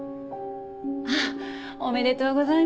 あっおめでとうございます。